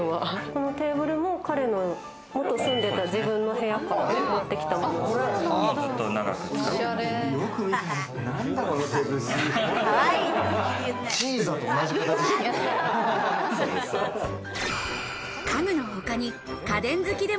このテーブルも彼が元住んでた自分の部屋から持ってきたもので。